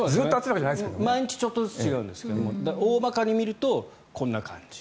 毎日ちょっとずつ違うんですが大まかに見るとこんな感じ。